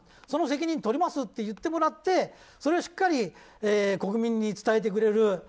その責任取りますと言ってもらってそれをしっかり国民に伝えてくれる。